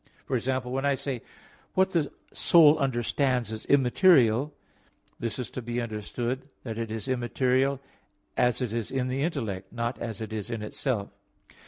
For example, when I say, "What the soul understands is immaterial," this is to be understood that it is immaterial as it is in the intellect, not as it is in itself.